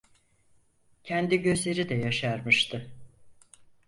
Kendi gözleri de yaşarmıştı.